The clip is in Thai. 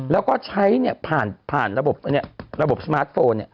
แล้วก็ใช้ผ่านระบบระบบสมาร์ทโฟน